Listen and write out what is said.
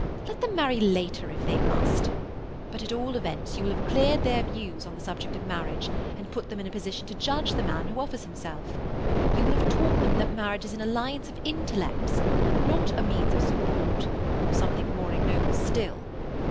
Let them marry later, if they must; but at all events you will have cleared their views on the subject of marriage, and put them in a position to judge the man who offers himself. You will have taught them that marriage is an alliance of intellects—not a means of support, or something more ignoble still.